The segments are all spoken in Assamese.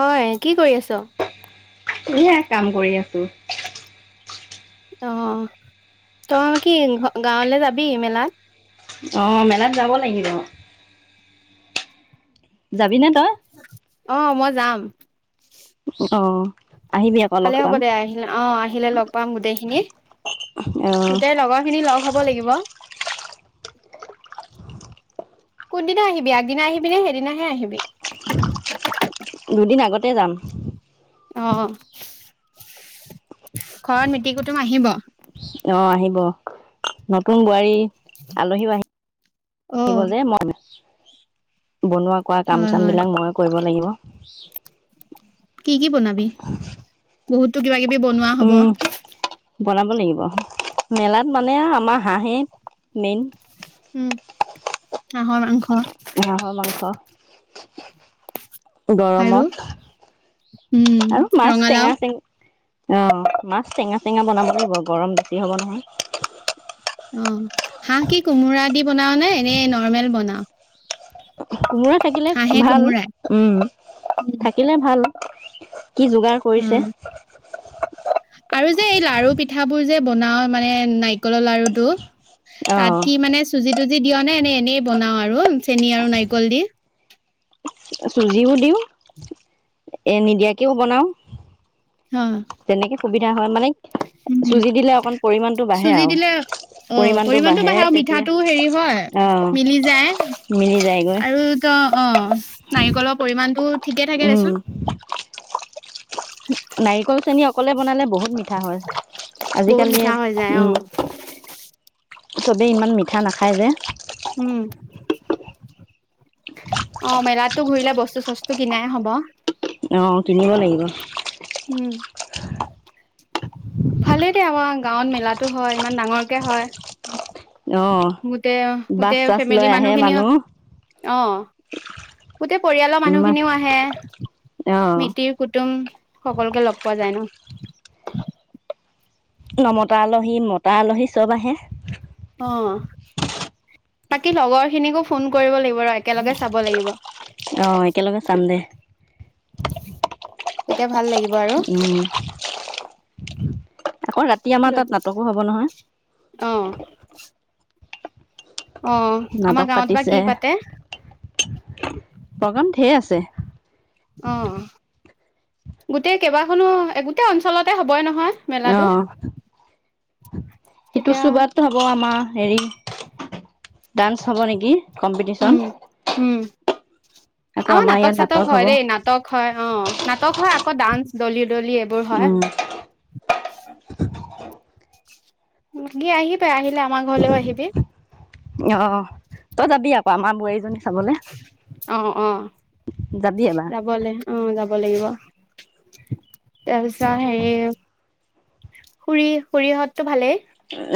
হয় কি কৰি আছ এয়া কাম কৰি আছো অ তইে কি গাঁৱলৈ যাবি মেলাত অ'হ মেলাত যাব লাগিল যাবি নে তই অ মই যাম অ আহিবি আকৌ ভালে লগ হ'ব পাম দে আহিলে অ আহিলে লগ পাম গোটেইখিনি অ গোটেই লগৰ খিনি লগ হ'ব লাগিব কোনদিনা আহিবি আগদিনা আহিবি নে সেইদিনাাহে আহিবি দুদিন আগতে যাম অ ঘৰত মিট কুটুম আহিব অ আহিব নতুন বোৱাৰী আলহী আহঢ়ি আহিব অ', যে মইম [unintelligible] বনোৱা কোৱা কাম হয় চাম হয় বিলাক ময়ো কৰিব লাগিব [inaudible] কি কি বনাবি বহুত তটো কিবা কিবি বনোৱা হ'ব উম বনাব লাগিব মেলাত মানে আমাৰ হাঁহে মেইন। উম হাঁহৰ মাংস। হাঁহ মাংস [inaudible] আৰু গৰমত উম, আৰু মাছ ৰঙালাও টেঙা চেঙ। অ মাছ টেঙা চেঙা বনাব লাগিব গৰম বেছি হ'ব নহয়। অ হাঁহ কি কোমোৰা দি বনাঅ নে, নে নৰ্মেল বনাঅ? [inaudible] থাকিলে ভাল উম থাকিলে ভাল। কি যোগাৰ কৰিছে উম আৰু যে এই লাৰু পিঠাবোৰ যে। বনাও মানে নাৰিকলৰ লাৰুটো। তাত অ' কি মানে চুজি তুজি দিয় নে এনে এনেই বনাওঁ আৰু চেনি আৰু নাৰিকল দি। চুজিও দিওঁ এ নিদিয়াকেও বনাওঁ। হ তেনেকে সুবিধা হয় মানে উম চুজি দিলে অকন পৰিমাণটো বাঢ়ে চুজি দিলে আৰু অ পৰিমানটো পৰিমাণটো বাঢ়ে আৰু তেতিয়া মিঠাটো হেৰি হয় মিলি আহ মিলি যায়গৈ। অঁ নাৰিকলৰ পৰিমাণটো ঠিকে থাকে উম দেচোন। [unintelligible] নাৰিকল চেনি অকলে বনালে বহুত মিঠা হয়। বহুত আজিকালি মিঠা হৈ যায় অ উম। চবেই ইমান মিঠা নাখায় যে। উম, অ মেলাতো ঘূৰিলে বস্তু চস্তু কিনাই হব। অ কিনিব লাগিব। উম ভালেই দে আমাৰ গাঁৱত মেলাটো হয় ইমান ডাঙৰকে হয়। অ' গোটেই বাছ গোটেই চাছ ফেমিলি লৈ আহে মানুহ খিনিও অ গোটেই পৰিয়ালৰ মানুহ ইমান খিনিও আহে অ' মিতিৰ কুটুম সকলোকে লগ পোৱা যায় ন। নমতা আলহী মতা আলহী চব আহে। অ বাকী লগৰ খিনিকো ফোন কৰিব লাগিব ৰ একেলগে চাব লাগিব। অ একেলগে চাম দে। তেতিয়া ভাল লাগিব। আৰু উম আকৌ ৰাতি আমাৰ তাত নাটকো হব অ নহয়। অ আমাৰ নাটক গাঁৱত বা পাতিছে, কি পাতে প্ৰগ্ৰাম ঢেৰ আছে। আহ। গোটেই কেইবাখনো গোটেই অঞ্চলতে হবই নহয়। মেলাটো আহ সেইটো তেতিয়া চোবাত হব আমাৰ। হেৰি ডান্স হ'ব নেকি কম্পিটিচন উম উম আকৌ আমাৰ আমাৰ ইয়াত নাটক চাটক হ'ব হয় দেই নাটক হয় অ নাটক হয় আ ডানস দলিত এইবোৰ হয় উম, তুমি আহিবা আহি আহিলে আমাৰ ঘৰলৈ আহিবি অ', তই যাবি আও আমাৰ বোৱাৰীজনী চাবলে অ অ যাবি এবাৰ যাবলে অ তই পিছে হেৰি খুৰী খুৰীহঁত তোৰ ভালেই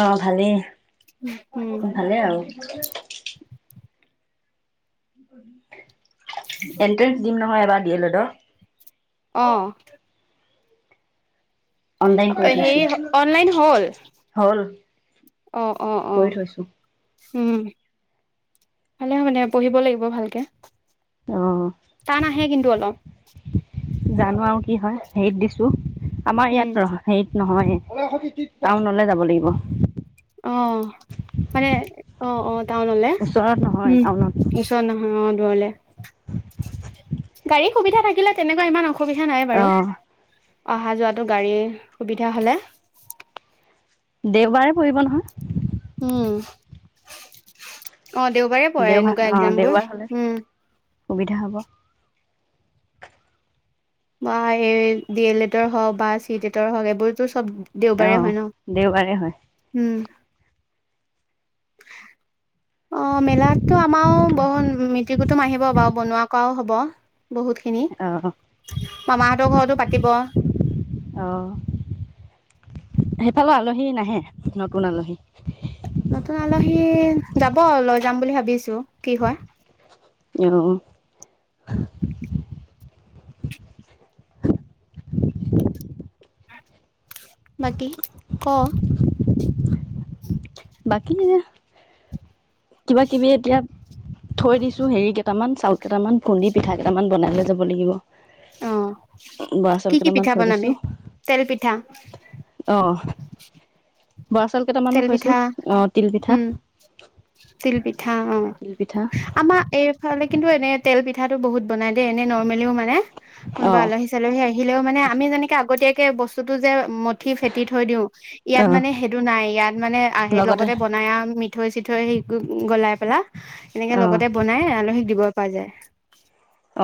অ ভালেই উম ভালে আৰু [unintelligible] এন্ট্ৰেঞ্চ দিম নহয় বা ডি এল এডৰ অহ অনলাইন কৰি হেই থৈছো অনলাইন হ'ল হ'ল অ অ অ কৰি থৈছো উম ভালে হয়নে পঢ়িব লাগিব ভালকে অ', টান আহে কিন্তু অলপ জানো আৰু কি হয় হেৰিত দিছো আমাৰ উম, ইয়াত ৰহ হেই নহয় টাউনলে যাব লাগিব অ মানে অ অ টাউনলে ওচৰত নহয় উম টাউনত ওচৰত নহয় অ দূৰলে [unintelligible] গাড়ীৰ সুবিধা থাকিলে তেনেকুৱা ইমান অসু অসুবিধা নাই বাৰু। অ', অহা যোৱাটো গাড়ীৰ সুবিধা হলে দেওবাৰে পৰিব নহয় উম অ দেওবাৰে পঢ়ে দেওবাৰ এনেকুৱা অ একজাম বোৰ দেওবাৰ হলে উম সুবিধা হ'ব বা এই ডি এল এডৰ হওক বা চিট এটৰ হওক এইবোৰতো চব দেওবাৰে আহ হয় ন দেওবাৰে হয় উম, অ মেলাতটো আমাৰো বহুত মিতিৰ কুটুম আহিব বাৰু বনোৱা কৰাও হ'ব বহুত খিনি অহ মামাহঁতৰ ঘৰতো পাতিব অ সেইফালে আলহী নাহে নতুন আলহী নতুন আলহী যাব লৈ যাম বুলি ভাবিছো কি হয় অ অ অ উ উ বাকী ক বাকী কিবা কিবি এতিয়া থৈ দিছো হেৰি কেইটামান চাউল কেইটামান খুন্দি পিঠা কেইটামান বনাইৈ যাব লাগিব আহ বৰা চাউল কি কি কেইটামান পিঠা থৈ দিছো বনাবি তেল পিঠা অ বৰা চাল তেল কেইটামানত পিঠা থৈছো অ তিল পিঠা উম তিলপিঠা অ তিল পিঠা আমাৰ এই খালে কিন্তু এনে তেল পিঠাটো বহুত বনাই দে এনে ন ও মানে অ কোনোবা আলহী চালহী আহিলেও মানে আমি যেনেকে আগতীয়াক তেল বস্তুতটো যে মঠি ফেটি থৈ দিও অ ইয়াত মানে সেইটো নাই ইয়াত মানে আহে লগতে বনাই ি থৈ চি থৈ হেৰি গলাই পেলাই এনেকে অ লগতে বনাই আলহীক দিব পোৱা যায়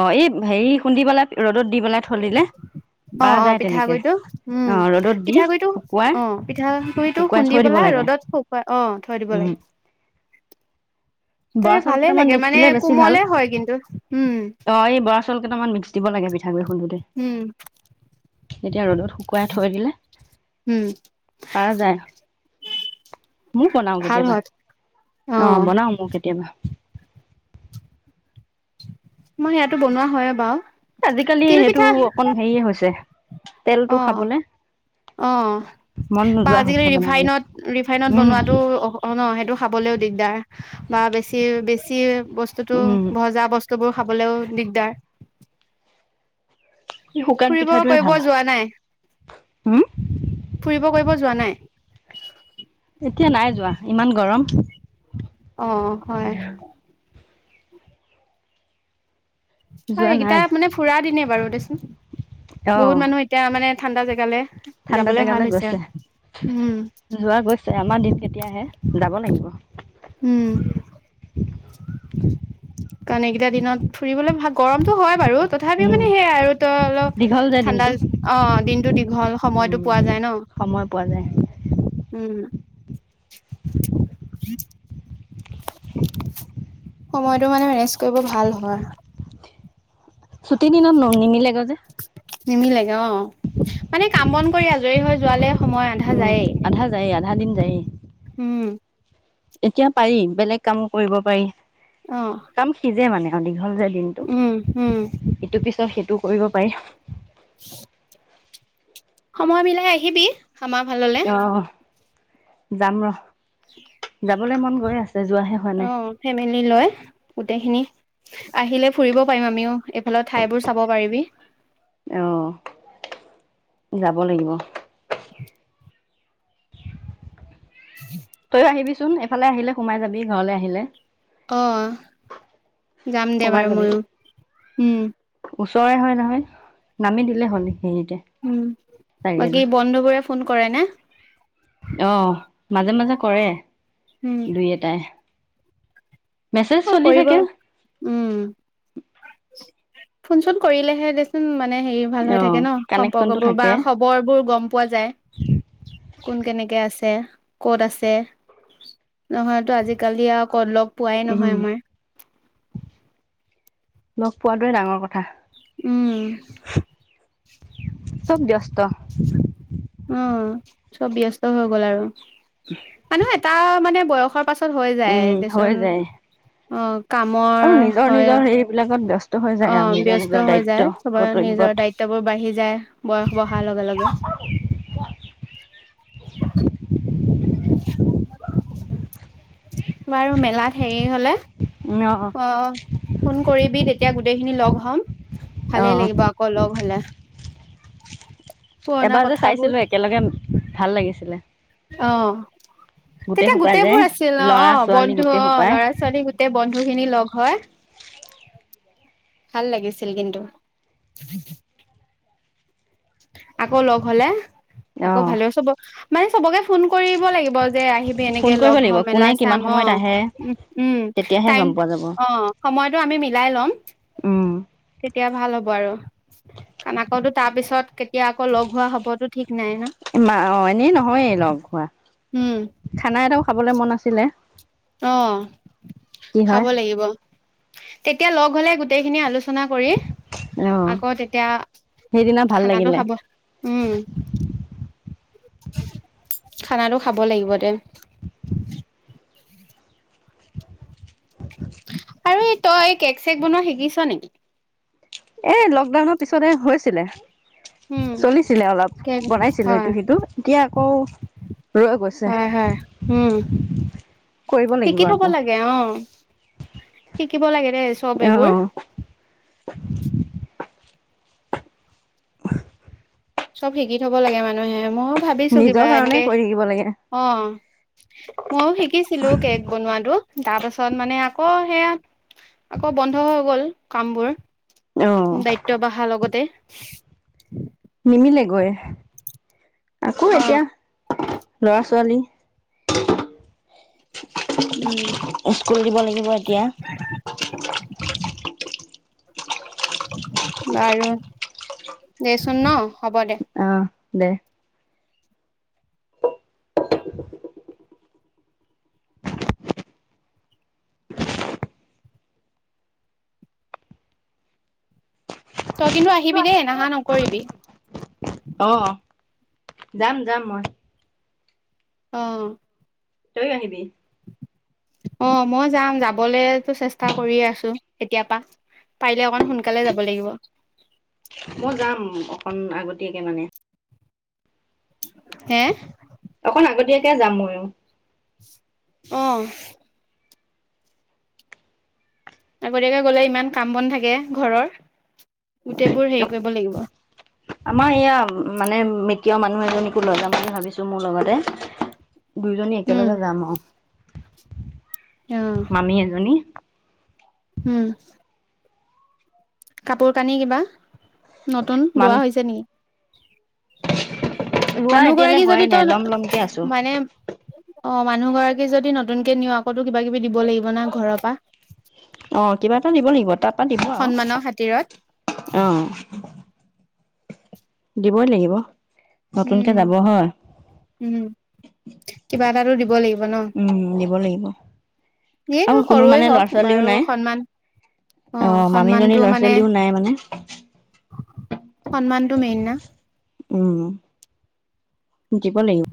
অ এই হেৰি খুন্দিবেলা ৰ'দত দি পেলাই থৈ দিলে অ পাৰা অ যায় তেনেকে পিঠাগুড়িটো উম অ ৰ'দত দি পিঠাগুড়িটো শুকুৱাই আহ পিঠাগুড়িটো শুকুৱাই খুন্দি থৈ দিব পেলাই লাগে ৰ'দত খুৱাই আহ থৈ দিব উম লাগে তেনে বৰা চাউল ভালে কেইটামান লাগে মিক্স মানে দিলে বেছি ভাল কোমলে হয় কিন্তু উম ল কটামান্ দিব লাগে পিঠাগুৰি খুন্দোতে উম এতিয়া ৰ'দত শুকুৱাই থৈ দিলে উম পাৰ যায় মোক বনাও ভাল কেতিয়াবা হয় অ বনাও মোক কেতিয় অ মই ইয়াতো বনোৱা হয়ে বাও। আজিকালি সেইটো অকন হেৰিয়ে হৈছে তেলটো অ খাবলে অ মন বা নোযোৱা আজিকালি হৈছে বনাবলে ৰিফাইনত ৰিফাইনত উম বনোৱাটো ন সেইটো খাবলৈও দিগদাৰ বা বেছি বেছি। তেল বস্তুতো উম ভজা বস্তু বোৰ খাবলৈও দিগদাৰ এই শুকান ফুৰিব পিঠাটোৱে কৰিব ভাল যোৱা নাই হুম ফুৰিব কৰিব যোৱা নাই এতিয়া নাই যোৱা ইমান গৰম অ হয় হয় এইকেইটা মানে ফুৰা দিনে বাৰু দে অহ ঠাণ্ডা জেগালে ঠাণ্ডা যাবলে ভাল জেগালৈ হৈছে গৈছে উম যোৱা গৈছে আমাৰ দিন কেতিয়া আহে যাব লাগিব উম কাৰণ এইকেইটা দিনত ফুৰিবলে ভাল গৰমতটো হয় বাৰু তথাপিও উম মানে সেইয়াই আৰু তই অলপ দীঘল যে ঠাণ্ডা দিনটো অ দিনতটো দীঘল সময়তো উম পোৱা যায় ন সময় পোৱা যায় উম উম [unintelligible] সময় মানে ৰেষ্ট কৰিব ভাল হব ছুটি দিনত ন নিমিলে গে যে নিমিলেগে অ মানে কাম বন কৰি আজৰি হৈ যোৱালে সময় আধা উম যায়েই আধা যায়েই আধা দিন যাই উম এতিয়া পাৰি বেলেগ কাম কৰিব পাৰি অ কাম সিজে মানে আ দীঘল যে দিনটো উম উম ইটো পিছত সি টো কৰিব পাৰি সময় মিলাই আহিবি খামা ভাল হলে অ যাম ৰ যাবলৈ মন গৈ আছে যোৱাহে হোৱা অ নাই ফেমেলি লয় গোটেইখিনি আহিলে ফুৰিব পাৰিম আমিও এইফালৰ ঠাইবোৰ চাব পাৰিবি আহ যাব লাগিব তইও আহিবি চোন এফালে আহিলে সোমাই যাবি ঘৰলে আহিলে অ যাম দে সোমাই বাৰু যাবি ময়োও ওচৰে হয় নহয় নামি দিলে হ'নি উন বাকী বন্ধু বোৰে ফোন কৰে নে? অ মাজে মাজে কৰে উম দুই এটাই মেছেজ অ চলি কৰিব থাকে উম ফোন চোন কৰিলেহে দেচোন মান মানে হেৰি ভাল হৈ অ থাকে ন সম্পৰ্ক কানেকচনটো বোৰ বা থাকে খবৰ বোৰ গম পোৱা যায় কোন কেনেকে আছে কত আছে নহয়তো আজিকালি আৰু কত লগ হয় উম মই লগ পোৱাটোহে ডাঙৰ কথা উম চব ব্যস্ত অ চব ব্যস্ত হৈ গ'ল আৰু মানুহ এটা মানে বয়সত পাছত হৈ যায় উম হৈ দেচোন যায় অঁ কামৰ আৰু নিজৰ হয় নিজৰ হেৰিবিলাকত ব্যস্ত হৈ যায় অ আৰু নিজৰ ব্যস্ত নিজৰ হৈ দায়িত্ব যায় চবৰে নিজৰ কৰ্তব্যত। দায়িত্ববোৰ বাঢ়ি যায় বয়স বহাৰ লগে লগে [unintelligible] বাৰু মেলাত হেৰি হলে অ অ ফোন কৰিবি তেতিয়া গোটেই খিনি লগ হ অসম ভালেই অ', লাগিব আকৌ লগ হলে পুৰণা এবাৰ যে কথাবোৰ চাইছিলো একেলগে ভাল লাগিছিলে অ তেতিয়া সোপা গোটেই যে বোৰ আছিল অ ল'ৰা অ ছোৱালী বন্ধু গোটেই অ সোপাই ল'ৰা ছোৱালী গোটেই বন্ধু খিনি লগ হয় ভাল লাগিছিল কিন্তু আকৌ লগ হলে অ আকৌ ভালে চব মানে চবকে ফোন কৰিব লাগিব আহিবি ফোন এনেকে কৰিব লগ লাগিব হয় মেলা কোনে কিমান চাম অ সময়ত আহে তেতিয়াহে গম পোৱা যাব ও অসময়টো আমি মিলাই লম উম তেতিয়া ভাল হ'ব আৰু কানাকতো তাৰ পিছত কেতিয়া আকৌ লগ হোৱা হবতো ঠিক নাই ন মা অ এনেই নহয়েই লগ হোৱা উম খানা ৰ খাবলৈ মন আছিলে অ কি খাব হয় লাগিব তেতিয়া লগ গলে গোটেইখিনিয়ে আলোচনা আলোচনা কৰি অ আকৌ তেতিয়া সেইদিনা ভাল খানাটো লাগিলে খাব উম খানাটো খাব লাগিব দে আৰু এই তই কেক চেক বনোৱা শিকিছ নেকি এ লকডাউনৰ পিছতহে হৈছিলে উম চলিছিলে অলপ কেক বনাইছিলো হয় ইটো সিটো এতিয়া আকৌ ৰৈ গৈছে হয় হয় উম কৰিব শিকি লাগিব থব আকৌ লাগে অ শিকিব লাগে এ চব অ এইবোৰ [unintelligible] [unintelligible] চব শিকি থব লাগে মানুহে মইও ভাবিছো কিবা নিজৰ কাৰণে এনেকে কৰি থাকিব লাগে অ মইও শিকিছিলো কেক বনোৱাটো তাৰ পাছত মানে আকৌ সেয়া আকৌ বন্ধ হৈ গ'ল কামবোৰ অ দায়িত্ব বঢ়া লগতে [unintelligible] নিমিলেগৈ আকৌ অ এতিয়া লৰা ছোৱালী উম স্কুল দিব লাগিব এতিয়া বাৰু দে চোন ন হ'ব দে দেহ তই কিন্তু আহিবি দেই নাহা নকৰিবি আহ যাম যাম মই অ তইও আহিবি অ মই যাম যাবলে চেষ্টা কৰি আছো কেতিয়া পা পাৰিলে অকন সোনকালে যাব লাগিব অকণ আগতীয়াকে মানে হে অকন আগতীয়াকে যাম ময়ো অঁ আগতীয়াকে গলে ইমান কাম বন থাকে ঘৰৰ গোটেইবোৰ হেৰি কৰিব লাগিব আমাৰ এয়া মানে মৃতীয় মানুহ এজনীকো লৈ যাম বুলি ভাবিছো মোৰ লগতে দুইজনী উম একেলগে যাম আৰু অ মামী এজনী উম কাপোৰ কানি কিবা নতুন মান লোৱা হৈছে নেকি [inaudible] ৰোৱা মানুহ এতিয়ালৈ গৰাকী হোৱাই যদি নাই তই লম লমকে আছো। মানে অ মানুহ গৰাকী যদি নতুন কে নিও আকৌ কিবা কিবি দিব লাগিব ন ঘৰৰ পৰা আহ কিবা এটা দিব লাগিব তাৰ পা দিব সন্মানৰ খাতিৰত আৰু আহ দিবই লাগিব নতুনকে উম যাব হয় উম কিবা এটাতো দিব লাগিব ন উম দিব লাগিব যিয়ে আৰু নহয় কোনো সৰুৱে মানে হওক লৰা ছোৱালীও বাৰু নাই সন্মান অ আহ মামীজনীৰ সন্মানটো লৰা মানে ছোৱালীও নাই মানে সন্মানটো মেইন না উম দিব লাগিব